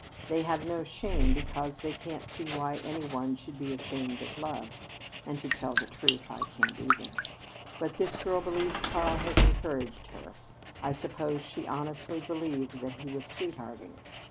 They have no shame because they can't see why any one should be ashamed of love (and, to tell the truth, I can't either). But this girl believes Karl has encouraged her. I suppose she honestly believed that he was sweethearting.